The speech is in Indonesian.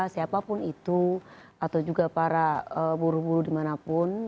siapapun itu atau juga para buru buru dimanapun